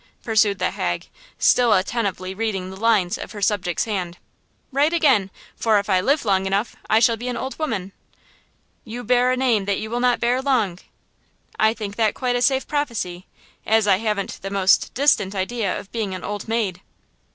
pursued the hag, still attentively reading the lines of her subject's hand. "Right again; for if I live long enough I shall be an old woman." "You bear a name that you will not bear long!" "I think that quite a safe prophecy, as I haven't the most distant idea of being an old maid!"